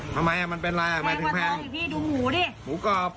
ทำไมอ่ะมันเป็นอะไรอ่ะแพงกว่าเท้าพี่พี่ดูหมูดิหมูกรอบ